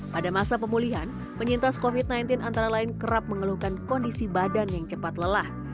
pada masa pemulihan penyintas covid sembilan belas antara lain kerap mengeluhkan kondisi badan yang cepat lelah